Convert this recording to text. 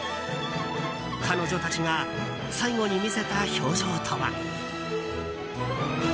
彼女たちが最後に見せた表情とは。